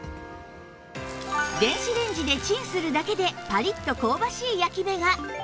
電子レンジでチンするだけでパリッと香ばしい焼き目が！